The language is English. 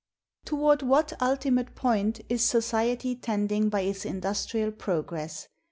Toward what ultimate point is society tending by its industrial progress?